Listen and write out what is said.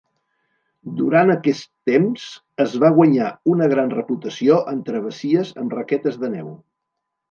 Durant aquest temps es va guanyar una gran reputació en travessies amb raquetes de neu.